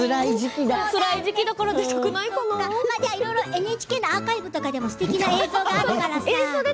いろいろとＮＨＫのアーカイブとかでもすてきな映像があるから。